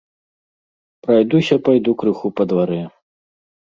Прайдуся пайду крыху па дварэ.